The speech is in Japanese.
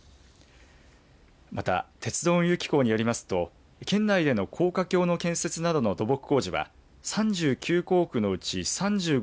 また、鉄道・運輸機構によりますと県内での高架橋の建設などの土木工事は３９工区のうち３５